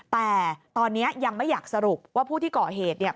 แต่ตอนนี้ยังไม่อยากสรุปว่าผู้ที่ก่อเหตุเนี่ย